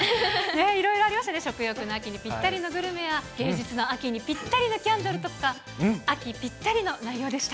いろいろありましたね、食欲の秋にぴったりのグルメや、芸術の秋にぴったりのキャンドルとか、秋ぴったりの内容でした。